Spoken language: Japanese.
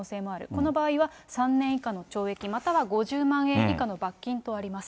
この場合は３年以下の懲役または５０万円以下の罰金とあります。